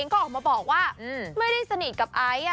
ซึ่งเจ้าตัวก็ยอมรับว่าเออก็คงจะเลี่ยงไม่ได้หรอกที่จะถูกมองว่าจับปลาสองมือ